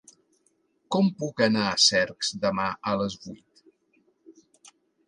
Com puc anar a Cercs demà a les vuit?